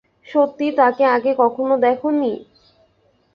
সত্যি তাকে আগে কখনো দেখোনি?